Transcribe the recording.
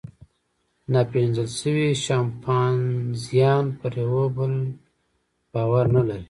ناپېژندل شوي شامپانزیان پر یوه بل باور نهلري.